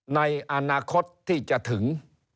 ในอนาคตที่จะถึง